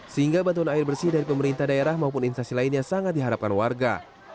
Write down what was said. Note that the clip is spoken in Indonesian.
sehingga bantuan air bersih dari pemerintah daerah maupun instasi lainnya sangat diharapkan warga